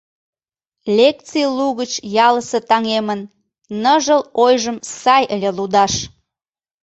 Лекций лугыч ялысе таҥемын Ныжыл ойжым сай ыле лудаш.